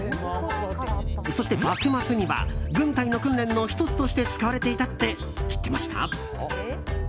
そして、幕末には軍隊の訓練の１つとして使われていたって知ってました？